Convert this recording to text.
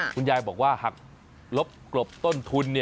คุณยายบอกว่าหากลบกรบต้นทุน